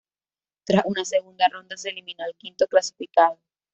Tras una segunda ronda se eliminó al quinto clasificado.